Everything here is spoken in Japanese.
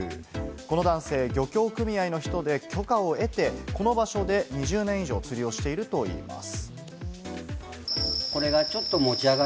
この男性、漁協組合の人で、許可を得て、この場所で２０年以上、釣りをしているといいます。